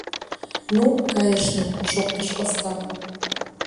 — Ну, кайышна, — шоктыш Остап.